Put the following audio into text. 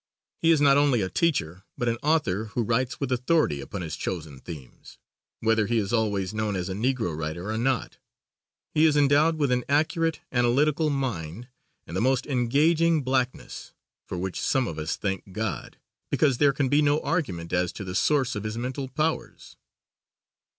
He is not only a teacher but an author who writes with authority upon his chosen themes, whether he is always known as a Negro writer or not. He is endowed with an accurate, analytical mind, and the most engaging blackness, for which some of us thank God, because there can be no argument as to the source of his mental powers.